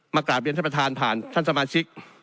กราบเรียนท่านประธานผ่านท่านสมาชิก